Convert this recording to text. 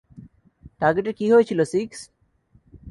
টার্গেটের কী হয়েছিল, সিক্স?